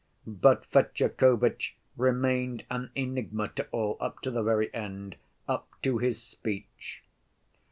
But Fetyukovitch remained an enigma to all up to the very end, up to his speech.